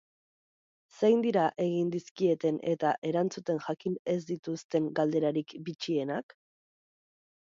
Zein dira egin dizkieten eta erantzuten jakin ez dituzten galderarik bitxienak?